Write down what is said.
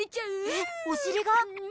えっお尻が？